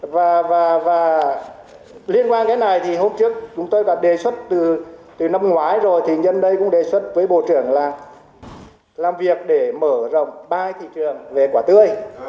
và liên quan cái này thì hôm trước chúng tôi đã đề xuất từ năm ngoái rồi thì nhân đây cũng đề xuất với bộ trưởng là làm việc để mở rộng ba thị trường về quả tươi